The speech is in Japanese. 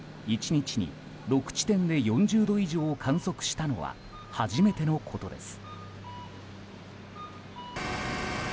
１日に６地点で４０度以上を観測したのは初めてのことです。